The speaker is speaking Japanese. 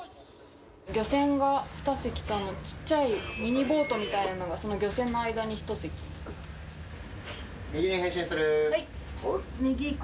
漁船が２隻とちっちゃいミニボートみたいなのが、その漁船の右に変針する。